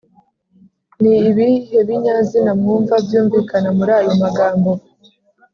ni ibihe binyazina mwumva byumvikana muri ayo magambo?